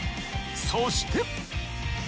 そして。